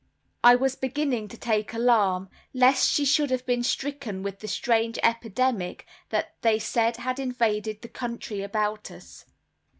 I was beginning to take alarm, lest she should have been stricken with the strange epidemic that they said had invaded the country about us.